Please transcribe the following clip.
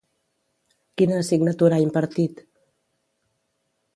Quina assignatura ha impartit?